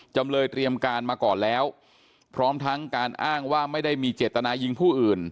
จำเลยเตรียมการมาก่อนแล้วพร้อมทั้งการอ้างว่าไม่ได้มีเจตนายิงผู้อื่น